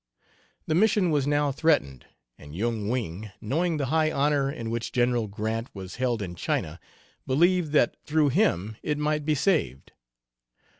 The mission was now threatened, and Yung Wing, knowing the high honor in which General Grant was held in China, believed that through him it might be saved.